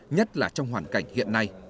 nhất là trong hoàn cảnh hiện nay